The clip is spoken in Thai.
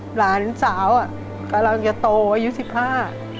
หลานสาวอ่ะกำลังจะโตอายุสิบห้า